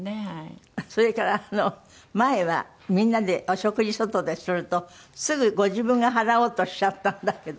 それから前はみんなでお食事外でするとすぐご自分が払おうとしちゃったんだけど。